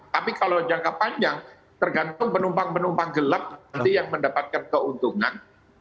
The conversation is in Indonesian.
tapi kalau jangka panjang tergantung penumpang penumpang gelap nanti yang mendapatkan keuntungan